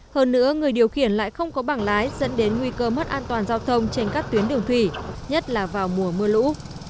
hơn nữa người điều khiển lại không có bảng lái dẫn đến nguy cơ mất an toàn giao thông trên các tuyến đường thủy nhất là vào mùa mưa lũ